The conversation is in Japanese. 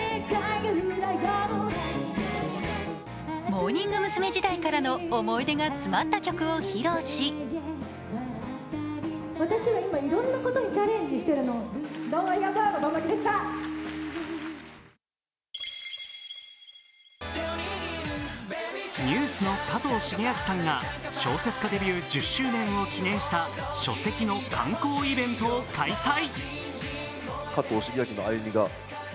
モーニング娘時代からの思い出が詰まった曲を披露しＮＥＷＳの加藤シゲアキさんが小説家デビュー１０周年を記念した書籍の刊行イベントを開催。